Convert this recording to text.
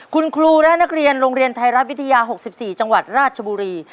คุณครูและนักเรียนโรงเรียนไทยรัฐวิทยา๖๔จังหวัดราชบุรี